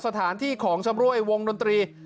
สถานที่ของชำรวยวงดนตรี